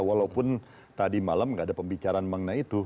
walaupun tadi malam nggak ada pembicaraan mengenai itu